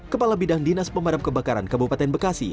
kepala bidang dinas pemadam kebakaran kabupaten bekasi